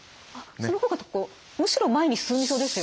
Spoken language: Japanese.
その方がむしろ前に進みそうですよね。